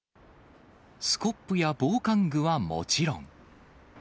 スコップや防寒具はもちろん。